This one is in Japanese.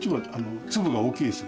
粒が大きいです